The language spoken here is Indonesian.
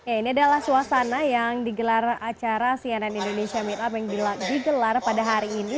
ini adalah suasana yang digelar acara cnn indonesia meetup yang digelar pada hari ini